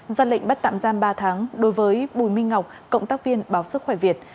ra lệnh bắt tạm giam ba tháng đối với bùi minh ngọc cộng tác viên báo sức khỏe việt